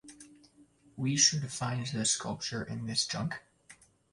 We should find the sculpture in this junk?